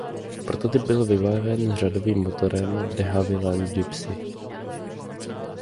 Prototyp byl vybaven řadovým motorem de Havilland Gipsy.